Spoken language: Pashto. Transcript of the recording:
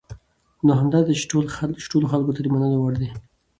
نو همدا ده چې ټولو خلکو ته د منلو وړ دي .